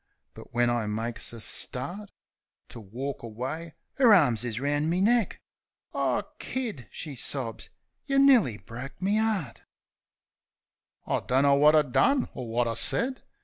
But when I makes a start To walk away, 'er arms is roun' me neck. "Ah, Kid !" she sobs. "Yeh nearly broke me 'eart !" I dunno wot I done or wot I said.